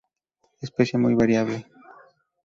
Especie muy variable.